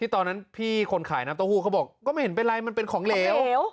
ตอนนั้นพี่คนขายน้ำเต้าหู้เขาบอกก็ไม่เห็นเป็นไรมันเป็นของเหลว